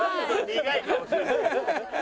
苦い顔してる。